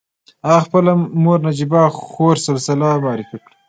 هغه خپله مور نجيبه خور سلسله معرفي کړه.